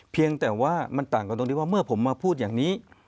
เพียงแต่ว่ามันต่างกันตรงที่ว่าเมื่อผมมาพูดอย่างนี้